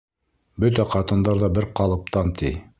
Бөтә ҡатындар ҙа бер ҡалыптан, ти.